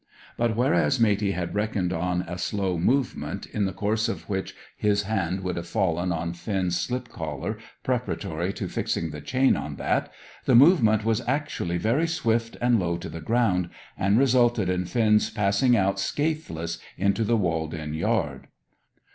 But, whereas Matey had reckoned on a slow movement, in the course of which his hand would have fallen on Finn's slip collar preparatory to fixing the chain on that, the movement was actually very swift and low to the ground, and resulted in Finn's passing out scathless into the walled in yard.